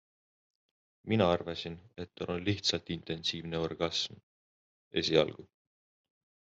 Mina arvasin, et tal on lihtsalt intensiivne orgasm ... esialgu.